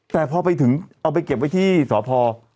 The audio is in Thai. แต่พอไปถึงเอาไปเก็บไว้ที่สพ